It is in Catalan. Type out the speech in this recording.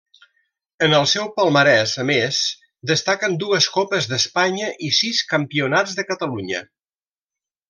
En el seu palmarès, a més, destaquen dues Copes d'Espanya i sis Campionats de Catalunya.